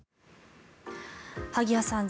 萩谷さん